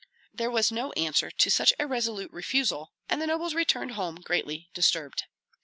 There was no answer to such a resolute refusal, and the nobles returned home greatly disturbed.